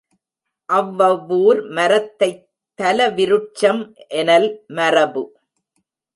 அவ்வவ்வூர் மரத் தைத் தலவிருட்சம் எனல் மரபு.